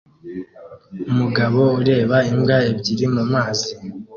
Umugabo ureba imbwa ebyiri mumazi